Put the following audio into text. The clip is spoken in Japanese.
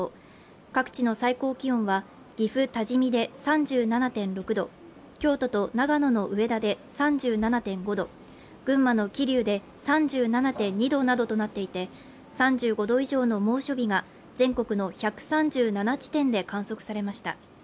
各地の最高気温は岐阜・多治見で３７．６度京都と長野の上田で３７．５度、群馬の桐生で３７．２度などとなっていて３５度以上の猛暑日が全国の１３７地点で観測されました。